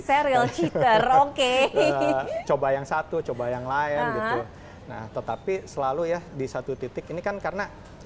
steril oke coba yang satu coba yang lain gitu nah tetapi selalu ya di satu titik ini kan karena